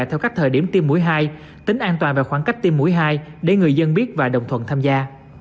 theo cách thời điểm tiêm mũi hai tính an toàn về khoảng cách tiêm mũi hai để người dân biết và đồng thuận tham gia